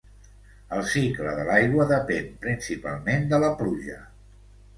El cicle de l'aigua depèn principalment de la pluja.